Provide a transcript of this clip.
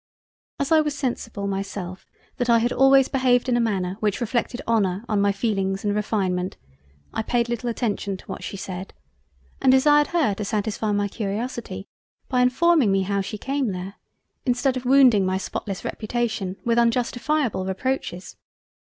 As I was sensible myself, that I had always behaved in a manner which reflected Honour on my Feelings and Refinement, I paid little attention to what she said, and desired her to satisfy my Curiosity by informing me how she came there, instead of wounding my spotless reputation with unjustifiable Reproaches.